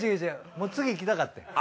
もう次いきたかってん。